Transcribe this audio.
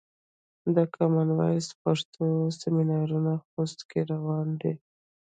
د کامن وایس پښتو سمینارونه خوست کې روان دي.